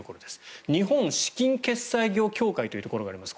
日本資金決済業協会というところがあります。